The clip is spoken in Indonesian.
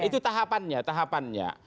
itu tahapannya tahapannya